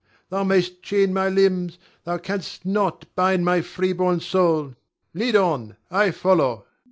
Thou mayst chain my limbs, thou canst not bind my freeborn soul! Lead on, I follow.